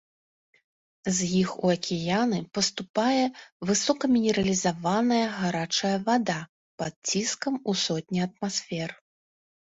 З іх у акіяны паступае высокамінералізаваныя гарачая вада пад ціскам ў сотні атмасфер.